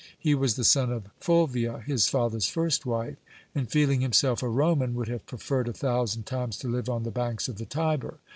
He was the son of Fulvia, his father's first wife, and feeling himself a Roman, would have preferred a thousand times to live on the banks of the Tiber.